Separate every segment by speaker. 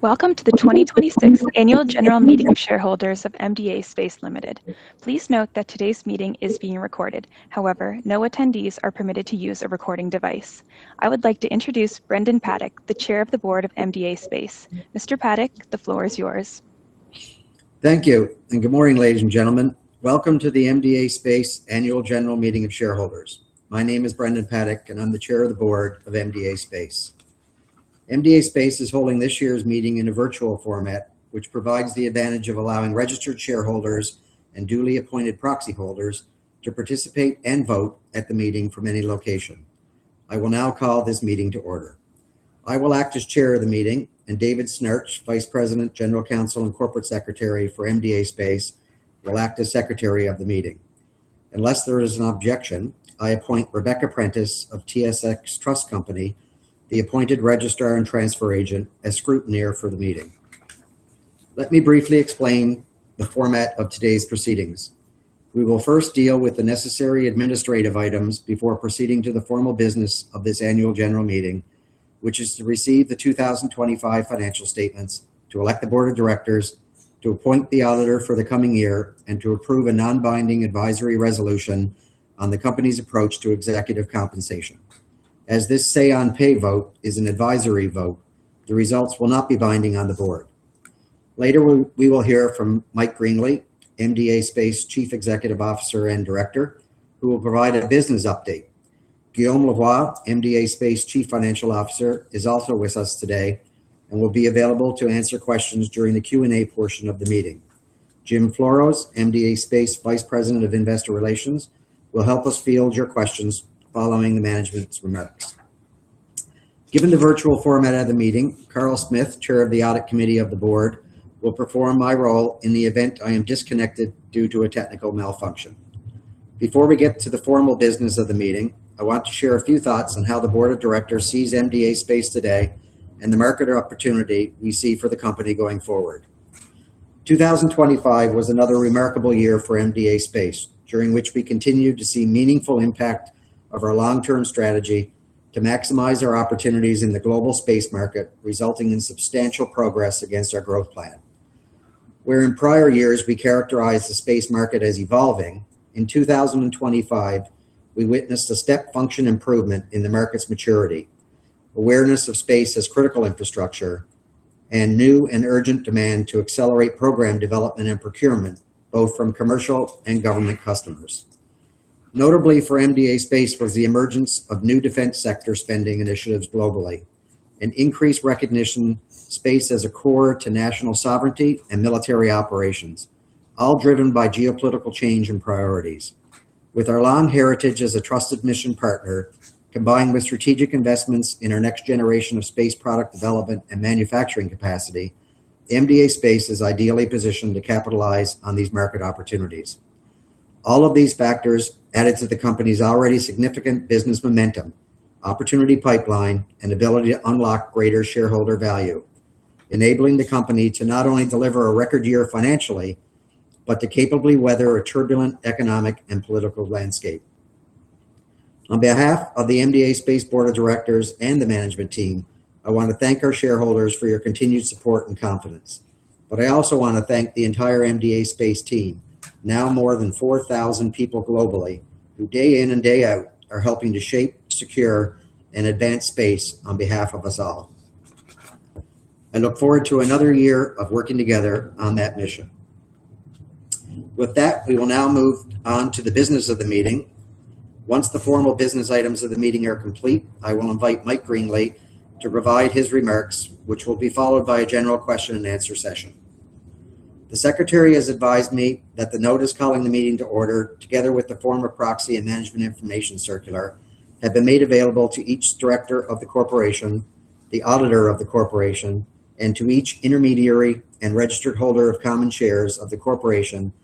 Speaker 1: Welcome to the 2026 annual general meeting of shareholders of MDA Space Ltd. Please note that today's meeting is being recorded. However, no attendees are permitted to use a recording device. I would like to introduce Brendan Paddick, the Chair of the Board of MDA Space. Mr. Paddick, the floor is yours.
Speaker 2: Thank you, and good morning, ladies and gentlemen. Welcome to the MDA Space Annual General Meeting of Shareholders. My name is Brendan Paddick, and I'm the Chair of the Board of MDA Space. MDA Space is holding this year's meeting in a virtual format, which provides the advantage of allowing registered shareholders and duly appointed proxy holders to participate and vote at the meeting from any location. I will now call this meeting to order. I will act as Chair of the meeting, and David Schnerch, Vice President, General Counsel, and Corporate Secretary for MDA Space, will act as secretary of the meeting. Unless there is an objection, I appoint Rebecca Prentice of TSX Trust Company, the appointed registrar and transfer agent, as scrutineer for the meeting. Let me briefly explain the format of today's proceedings. We will first deal with the necessary administrative items before proceeding to the formal business of this annual general meeting, which is to receive the 2025 financial statements, to elect the Board of Directors, to appoint the auditor for the coming year, and to approve a non-binding advisory resolution on the company's approach to executive compensation. As this say-on-pay vote is an advisory vote, the results will not be binding on the board. Later, we will hear from Mike Greenley, MDA Space Chief Executive Officer and Director, who will provide a business update. Guillaume Lavoie, MDA Space Chief Financial Officer, is also with us today and will be available to answer questions during the Q&A portion of the meeting. Jim Floros, MDA Space Vice President of Investor Relations, will help us field your questions following the management's remarks. Given the virtual format of the meeting, Karl Smith, chair of the audit committee of the board, will perform my role in the event I am disconnected due to a technical malfunction. Before we get to the formal business of the meeting, I want to share a few thoughts on how the board of directors sees MDA Space today and the market opportunity we see for the company going forward. 2025 was another remarkable year for MDA Space, during which we continued to see meaningful impact of our long-term strategy to maximize our opportunities in the global space market, resulting in substantial progress against our growth plan. Where in prior years we characterized the space market as evolving, in 2025, we witnessed a step function improvement in the market's maturity, awareness of space as critical infrastructure, and new and urgent demand to accelerate program development and procurement, both from commercial and government customers. Notably for MDA Space was the emergence of new defense sector spending initiatives globally and increased recognition space as a core to national sovereignty and military operations, all driven by geopolitical change in priorities. With our long heritage as a trusted mission partner, combined with strategic investments in our next generation of space product development and manufacturing capacity, MDA Space is ideally positioned to capitalize on these market opportunities. All of these factors add to the company's already significant business momentum, opportunity pipeline, and ability to unlock greater shareholder value, enabling the company to not only deliver a record year financially, but to capably weather a turbulent economic and political landscape. On behalf of the MDA Space Board of Directors and the management team, I want to thank our shareholders for your continued support and confidence. I also want to thank the entire MDA Space team, now more than 4,000 people globally, who day in and day out are helping to shape, secure, and advance space on behalf of us all. I look forward to another year of working together on that mission. With that, we will now move on to the business of the meeting. Once the formal business items of the meeting are complete, I will invite Michael Greenley to provide his remarks, which will be followed by a general question-and-answer session. The secretary has advised me that the notice calling the meeting to order, together with the form of proxy and management information circular, has been made available to each director of the corporation, the auditor of the corporation, and each intermediary and registered holder of common shares of the corporation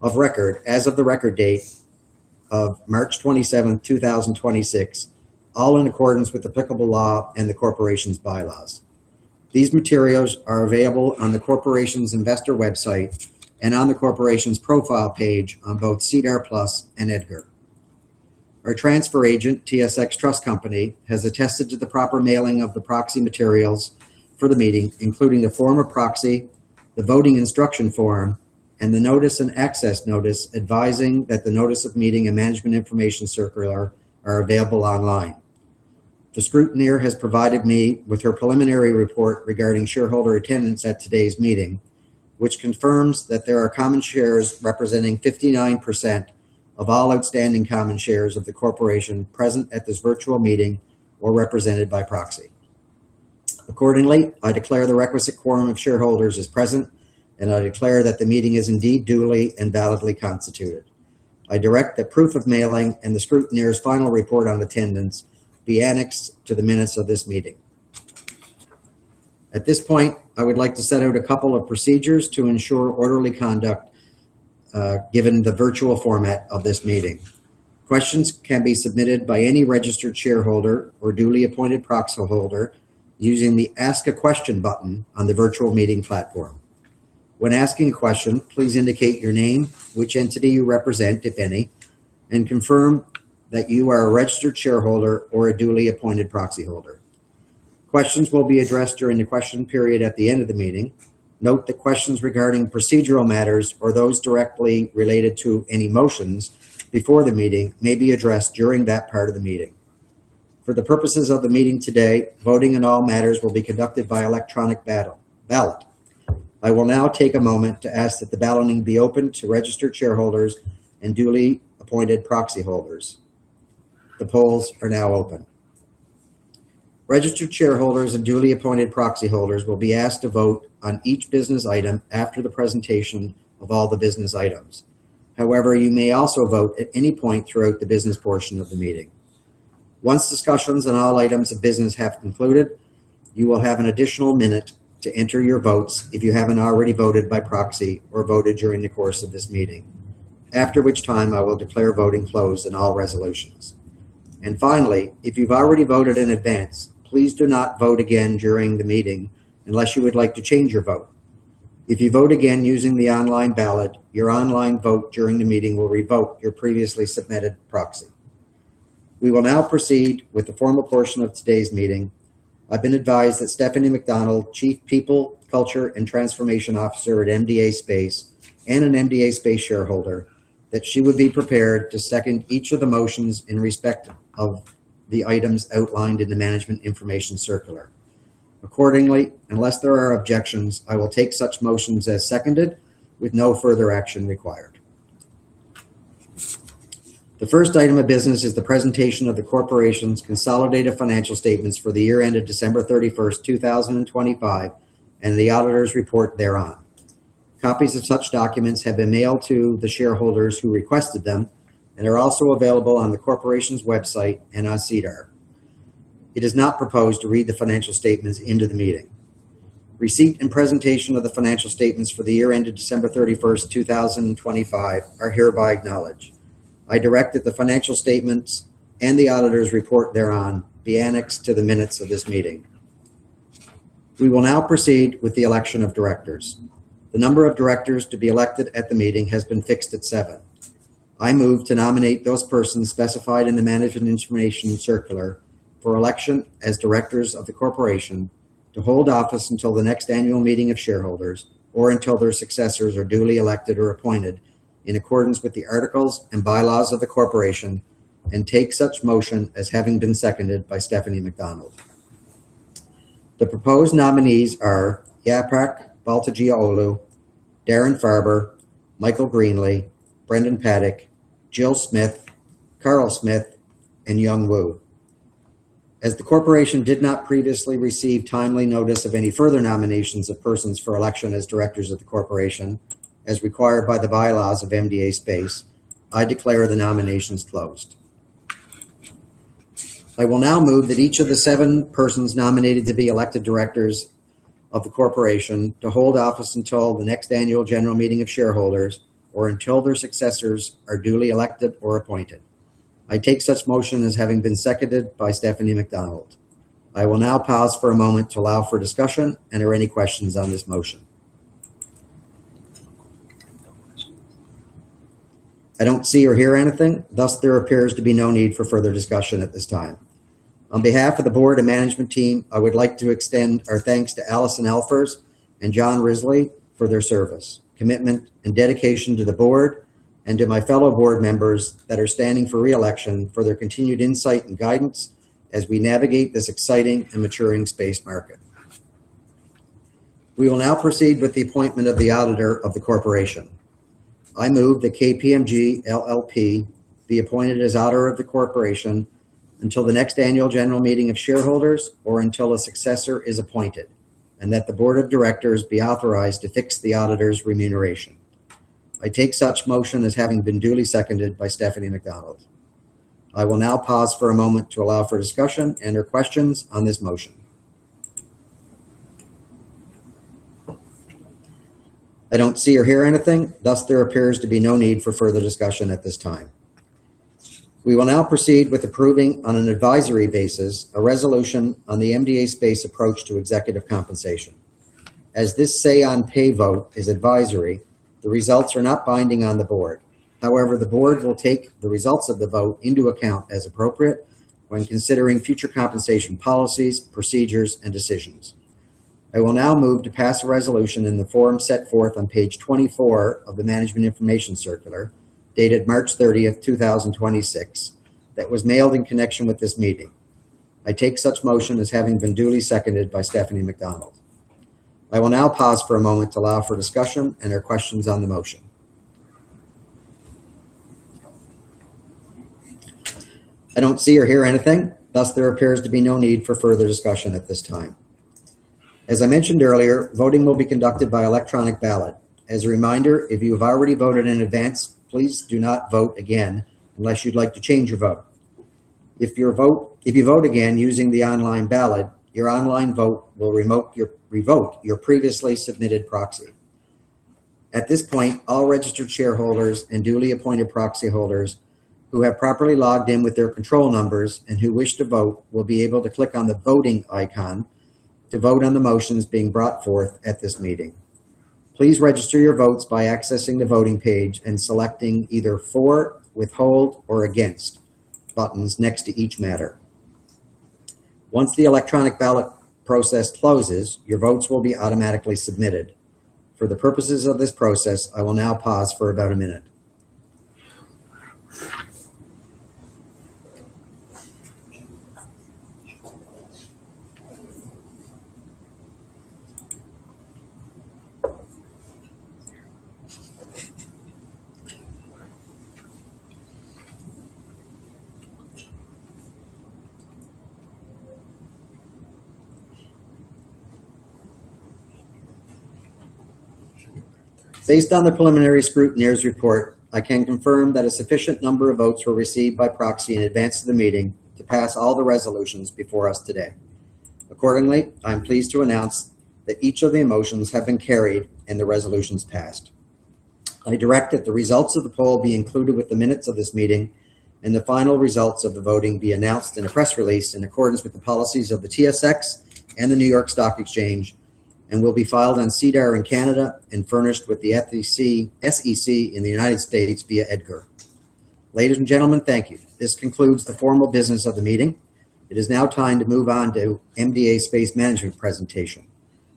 Speaker 2: of record as of the record date of March 27, 2026, all in accordance with applicable law and the corporation's bylaws. These materials are available on the corporation's investor website and on the corporation's profile page on both SEDAR+ and EDGAR. Our transfer agent, TSX Trust Company, has attested to the proper mailing of the proxy materials for the meeting, including the form of proxy, the voting instruction form, and the notice and access notice advising that the notice of meeting and management information circular are available online. The scrutineer has provided me with her preliminary report regarding shareholder attendance at today's meeting, which confirms that there are common shares representing 59% of all outstanding common shares of the corporation present at this virtual meeting or represented by proxy. Accordingly, I declare the requisite quorum of shareholders as present, and I declare that the meeting is indeed duly and validly constituted. I direct that proof of mailing and the scrutineer's final report on attendance be annexed to the minutes of this meeting. At this point, I would like to set out a couple of procedures to ensure orderly conduct, given the virtual format of this meeting. Questions can be submitted by any registered shareholder or duly appointed proxyholder using the Ask a Question button on the virtual meeting platform. When asking a question, please indicate your name, which entity you represent, if any, and confirm that you are a registered shareholder or a duly appointed proxyholder. Questions will be addressed during the question period at the end of the meeting. Note that questions regarding procedural matters or those directly related to any motions before the meeting may be addressed during that part of the meeting. For the purposes of the meeting today, voting in all matters will be conducted by electronic ballot. I will now take a moment to ask that the balloting be opened to registered shareholders and duly appointed proxyholders. The polls are now open. Registered shareholders and duly appointed proxyholders will be asked to vote on each business item after the presentation of all the business items. However, you may also vote at any point throughout the business portion of the meeting. Once discussions on all items of business have concluded, you will have an additional minute to enter your votes if you haven't already voted by proxy or voted during the course of this meeting, after which time I will declare voting closed in all resolutions. Finally, if you've already voted in advance, please do not vote again during the meeting unless you would like to change your vote. If you vote again using the online ballot, your online vote during the meeting will revoke your previously submitted proxy. We will now proceed with the formal portion of today's meeting. I've been advised that Stephanie McDonald, Chief People, Culture, and Transformation Officer at MDA Space, and an MDA Space shareholder, that she would be prepared to second each of the motions in respect of the items outlined in the management information circular. Accordingly, unless there are objections, I will take such motions as seconded with no further action required. The first item of business is the presentation of the corporation's consolidated financial statements for the year ended December 31, 2025, and the auditor's report thereon. Copies of such documents have been mailed to the shareholders who requested them and are also available on the corporation's website and on SEDAR. It is not proposed to read the financial statements into the meeting. Receipt and presentation of the financial statements for the year ended December 31st, 2025, are hereby acknowledged. I direct that the financial statements and the auditor's report thereon be annexed to the minutes of this meeting. We will now proceed with the election of directors. The number of directors to be elected at the meeting has been fixed at seven. I move to nominate those persons specified in the management information circular for election as directors of the corporation to hold office until the next annual meeting of shareholders or until their successors are duly elected or appointed in accordance with the articles and bylaws of the corporation and take such motion as having been seconded by Stephanie McDonald. The proposed nominees are Yaprak Baltacioglu, Darren Farber, Michael Greenley, Brendan Paddick, Jill Smith, Karl Smith, and Yung Wu. As the corporation did not previously receive timely notice of any further nominations of persons for election as directors of the corporation, as required by the bylaws of MDA Space, I declare the nominations closed. I will now move that each of the seven persons nominated to be elected directors of the corporation to hold office until the next annual general meeting of shareholders or until their successors are duly elected or appointed. I take such motion as having been seconded by Stephanie McDonald. I will now pause for a moment to allow for discussion, and are there any questions on this motion? I don't see or hear anything, thus, there appears to be no need for further discussion at this time. On behalf of the board and management team, I would like to extend our thanks to Alison Alfers and John Risley for their service, commitment, and dedication to the board, and to my fellow board members that are standing for re-election for their continued insight and guidance as we navigate this exciting and maturing space market. We will now proceed with the appointment of the auditor of the corporation. I move that KPMG LLP be appointed as auditor of the corporation until the next annual general meeting of shareholders or until a successor is appointed and that the board of directors be authorized to fix the auditor's remuneration. I take such motion as having been duly seconded by Stephanie McDonald. I will now pause for a moment to allow for discussion and/or questions on this motion. I don't see or hear anything, thus, there appears to be no need for further discussion at this time. We will now proceed with approving on an advisory basis a resolution on the MDA Space approach to executive compensation. As this say-on-pay vote is advisory, the results are not binding on the board. However, the board will take the results of the vote into account as appropriate when considering future compensation policies, procedures, and decisions. I will now move to pass a resolution in the form set forth on page 24 of the management information circular, dated March 30th, 2026, that was mailed in connection with this meeting. I take such motion as having been duly seconded by Stephanie McDonald. I will now pause for a moment to allow for discussion and or questions on the motion. I don't see or hear anything, thus there appears to be no need for further discussion at this time. As I mentioned earlier, voting will be conducted by electronic ballot. As a reminder, if you have already voted in advance, please do not vote again unless you'd like to change your vote. If you vote again using the online ballot, your online vote will revoke your previously submitted proxy. At this point, all registered shareholders and duly appointed proxy holders who have properly logged in with their control numbers and who wish to vote will be able to click on the Voting icon to vote on the motions being brought forth at this meeting. Please register your votes by accessing the voting page and selecting either For, Withhold, or Against buttons next to each matter. Once the electronic ballot process closes, your votes will be automatically submitted. For the purposes of this process, I will now pause for about a minute. Based on the preliminary scrutineer's report, I can confirm that a sufficient number of votes were received by proxy in advance of the meeting to pass all the resolutions before us today. Accordingly, I'm pleased to announce that each of the motions has been carried and the resolutions passed. I direct that the results of the poll be included with the minutes of this meeting and the final results of the voting be announced in a press release in accordance with the policies of the TSX and the New York Stock Exchange and be filed on SEDAR in Canada and furnished with the SEC in the U.S. via EDGAR. Ladies and gentlemen, thank you. This concludes the formal business of the meeting. It is now time to move on to MDA Space management presentation.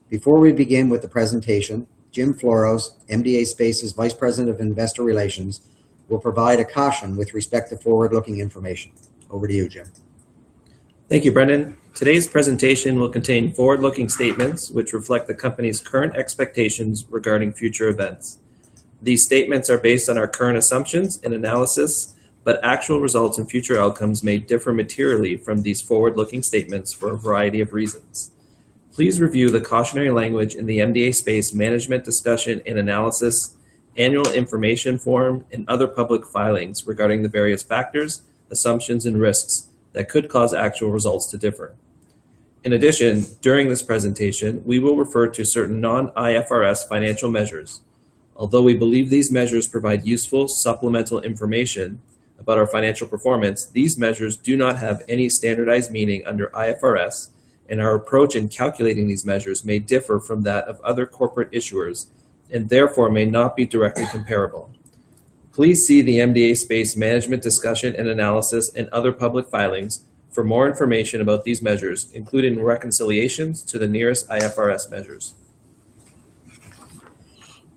Speaker 2: Before we begin with the presentation, Jim Floros, MDA Space's Vice President of Investor Relations, will provide a caution with respect to forward-looking information. Over to you, Jim.
Speaker 3: Thank you, Brendan. Today's presentation will contain forward-looking statements, which reflect the company's current expectations regarding future events. These statements are based on our current assumptions and analysis, but actual results and future outcomes may differ materially from these forward-looking statements for a variety of reasons. Please review the cautionary language in the MDA Space Management Discussion and Analysis Annual Information Form and other public filings regarding the various factors, assumptions, and risks that could cause actual results to differ. In addition, during this presentation, we will refer to certain non-IFRS financial measures. Although we believe these measures provide useful supplemental information about our financial performance, these measures do not have any standardized meaning under IFRS, and our approach in calculating these measures may differ from that of other corporate issuers and therefore may not be directly comparable. Please see the MDA Space Management Discussion and Analysis and other public filings for more information about these measures, including reconciliations to the nearest IFRS measures.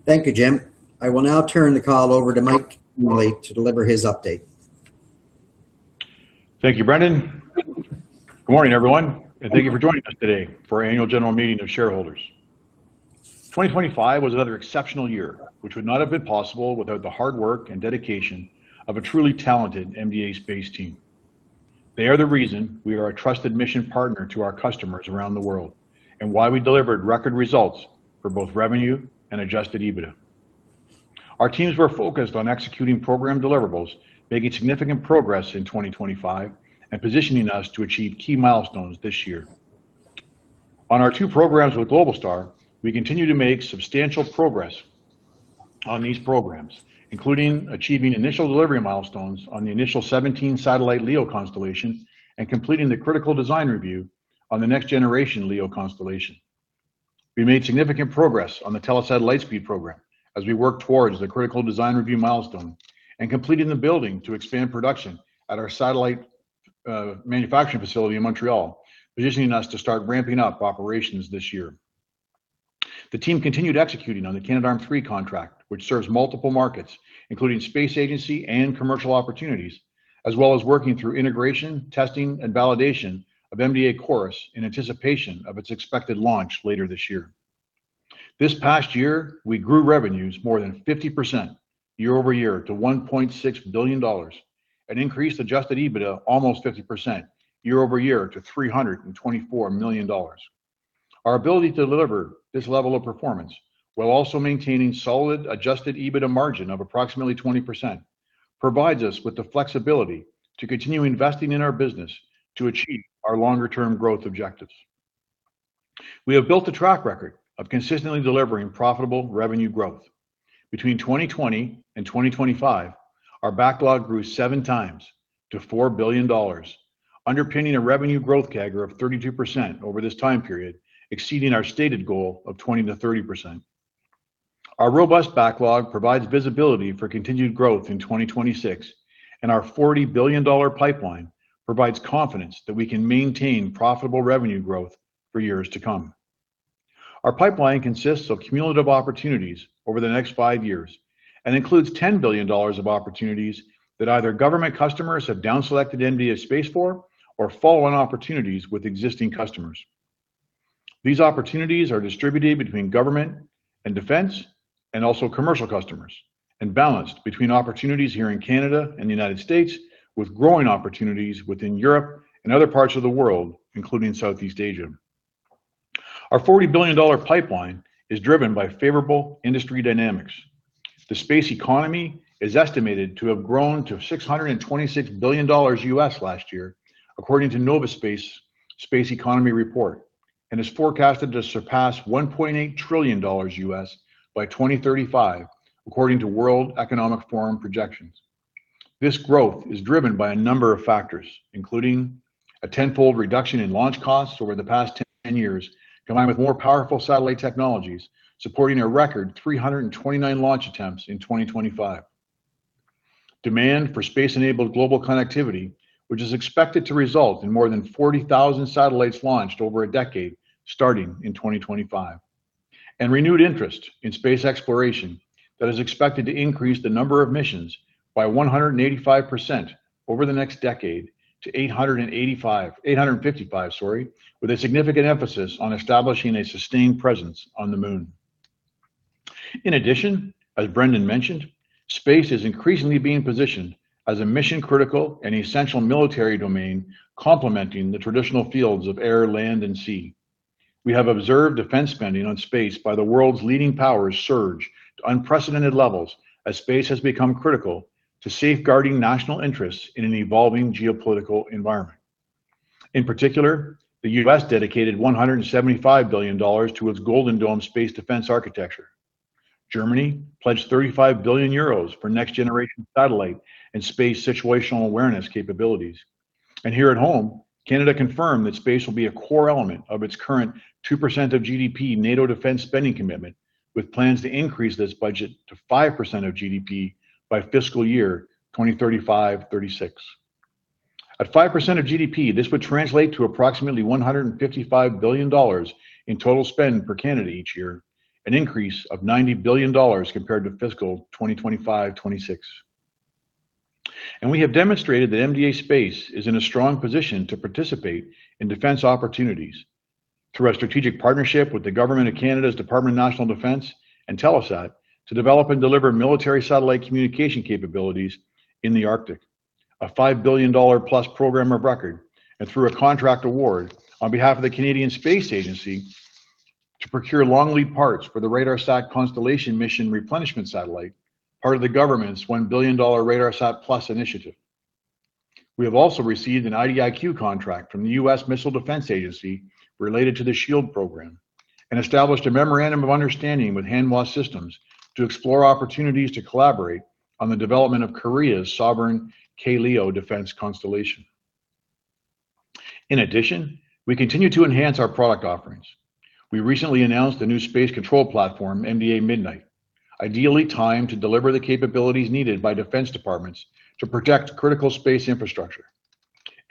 Speaker 2: Thank you, Jim. I will now turn the call over to Michael Greenley to deliver his update.
Speaker 4: Thank you, Brendan. Good morning, everyone, and thank you for joining us today for the Annual General Meeting of Shareholders. 2025 was another exceptional year, which would not have been possible without the hard work and dedication of a truly talented MDA Space team. They are the reason we are a trusted mission partner to our customers around the world and why we delivered record results for both revenue and adjusted EBITDA. Our teams were focused on executing program deliverables, making significant progress in 2025 and positioning us to achieve key milestones this year. On our two programs with Globalstar, we continue to make substantial progress on these programs, including achieving initial delivery milestones on the initial 17-satellite LEO constellation and completing the critical design review on the next-generation LEO constellation. We made significant progress on the Telesat Lightspeed program as we work towards the critical design review milestone and completing the building to expand production at our satellite manufacturing facility in Montreal, positioning us to start ramping up operations this year. The team continued executing on the Canadarm3 contract, which `serves multiple markets, including space agency and commercial opportunities, as well as working through integration, testing, and validation of MDA CHORUS in anticipation of its expected launch later this year. This past year, we grew revenues more than 50% year-over-year to 1.6 billion dollars and increased adjusted EBITDA almost 50% year-over-year to 324 million dollars. Our ability to deliver this level of performance, while also maintaining a solid adjusted EBITDA margin of approximately 20%, provides us with the flexibility to continue investing in our business to achieve our longer-term growth objectives. We have built a track record of consistently delivering profitable revenue growth. Between 2020 and 2025, our backlog grew seven times to 4 billion dollars, underpinning a revenue growth CAGR of 32% over this time period, exceeding our stated goal of 20%-30%. Our robust backlog provides visibility for continued growth in 2026, and our 40 billion dollar pipeline provides confidence that we can maintain profitable revenue growth for years to come. Our pipeline consists of cumulative opportunities over the next five years and includes 10 billion dollars of opportunities that either government customers have downselected MDA Space for or follow-on opportunities with existing customers. These opportunities are distributed between government and defense and also commercial customers and balanced between opportunities here in Canada and the U.S., with growing opportunities within Europe and other parts of the world, including Southeast Asia. Our 40 billion dollar pipeline is driven by favorable industry dynamics. The space economy is estimated to have grown to $626 billion U.S. last year according to Novaspace, Space Economy Report, and is forecasted to surpass $1.8 trillion U.S. by 2035 according to World Economic Forum projections. This growth is driven by a number of factors, including a tenfold reduction in launch costs over the past 10 years, combined with more powerful satellite technologies supporting a record 329 launch attempts in 2025. Demand for space-enabled global connectivity, which is expected to result in more than 40,000 satellites launched over a decade, starting in 2025. Renewed interest in space exploration that is expected to increase the number of missions by 185% over the next decade to 855%, sorry, with a significant emphasis on establishing a sustained presence on the moon. In addition, as Brendan mentioned, space is increasingly being positioned as a mission-critical and essential military domain complementing the traditional fields of air, land, and sea. We have observed defense spending on space by the world's leading powers surge to unprecedented levels as space has become critical to safeguarding national interests in an evolving geopolitical environment. In particular, the U.S. dedicated $175 billion to its Golden Dome space defense architecture. Germany pledged 35 billion euros for next-generation satellite and space situational awareness capabilities. Here at home, Canada confirmed that space will be a core element of its current 2% of GDP NATO defense spending commitment, with plans to increase this budget to 5% of GDP by FY 2035-2036. At 5% of GDP, this would translate to approximately 155 billion dollars in total spending per Canada each year, an increase of 90 billion dollars compared to FY 2025-2026. We have demonstrated that MDA Space is in a strong position to participate in defense opportunities through our strategic partnership with the government of Canada's Department of National Defense and Telesat to develop and deliver military satellite communication capabilities in the Arctic. A 5 billion dollar plus program of record, through a contract award on behalf of the Canadian Space Agency to procure long-lead parts for the RADARSAT Constellation Mission replenishment satellite, part of the government's 1 billion dollar RADARSAT+ initiative. We have also received an IDIQ contract from the U.S. Missile Defense Agency related to the SHIELD program and established a memorandum of understanding with Hanwha Systems to explore opportunities to collaborate on the development of Korea's sovereign K-LEO defense constellation. In addition, we continue to enhance our product offerings. We recently announced a new space control platform, MDA MIDNIGHT, ideally timed to deliver the capabilities needed by defense departments to protect critical space infrastructure.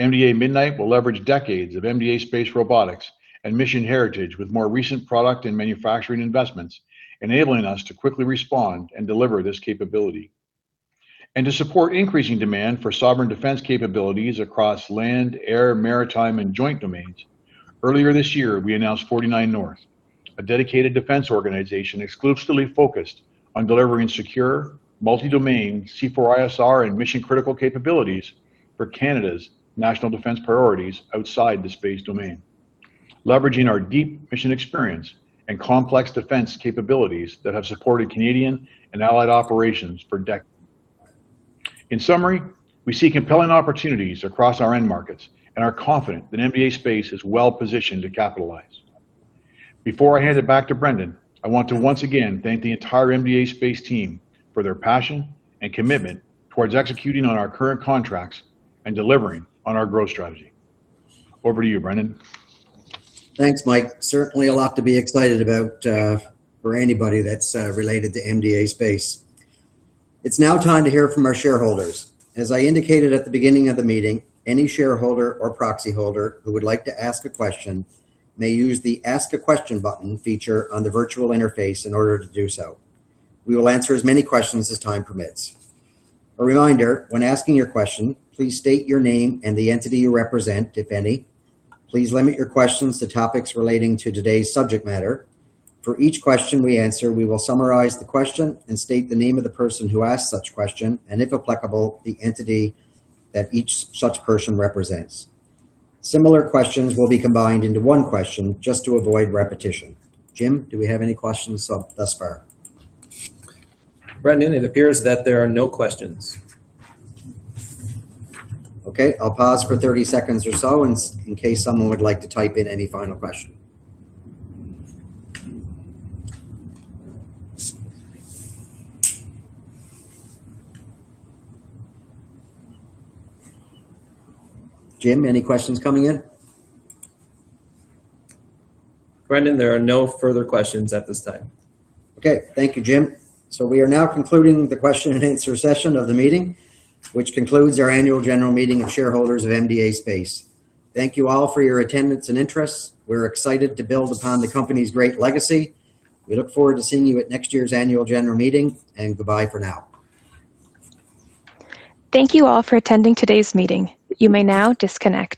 Speaker 4: MDA MIDNIGHT will leverage decades of MDA Space robotics and mission heritage with more recent product and manufacturing investments, enabling us to quickly respond and deliver this capability. To support increasing demand for sovereign defense capabilities across land, air, maritime, and joint domains, earlier this year, we announced 49North, a dedicated defense organization exclusively focused on delivering secure, multi-domain C4ISR and mission-critical capabilities for Canada's national defense priorities outside the space domain, leveraging our deep mission experience and complex defense capabilities that have supported Canadian and Allied operations for decades. In summary, we see compelling opportunities across our end markets and are confident that MDA Space is well-positioned to capitalize. Before I hand it back to Brendan, I want to once again thank the entire MDA Space team for their passion and commitment towards executing on our current contracts and delivering on our growth strategy. Over to you, Brendan.
Speaker 2: Thanks, Mike. Certainly a lot to be excited about for anybody that's related to MDA Space. It's now time to hear from our shareholders. As I indicated at the beginning of the meeting, any shareholder or proxy holder who would like to ask a question may use the Ask a Question button feature on the virtual interface in order to do so. We will answer as many questions as time permits. A reminder, when asking your question, please state your name and the entity you represent, if any. Please limit your questions to topics relating to today's subject matter. For each question we answer, we will summarize the question and state the name of the person who asked such question and, if applicable, the entity that each such person represents. Similar questions will be combined into one question just to avoid repetition. Jim, do we have any questions thus far?
Speaker 3: Brendan, it appears that there are no questions.
Speaker 2: Okay. I'll pause for 30 seconds or so in case someone would like to type in any final question. Jim, any questions coming in?
Speaker 3: Brendan, there are no further questions at this time.
Speaker 2: Thank you, Jim. We are now concluding the question-and-answer session of the meeting, which concludes our annual general meeting of shareholders of MDA Space. Thank you all for your attendance and interest. We're excited to build upon the company's great legacy. We look forward to seeing you at next year's annual general meeting, and goodbye for now.
Speaker 1: Thank you all for attending today's meeting. You may now disconnect.